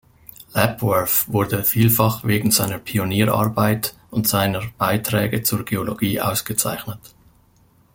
Lapworth wurde vielfach wegen seiner Pionierarbeit und seiner Beiträge zur Geologie ausgezeichnet.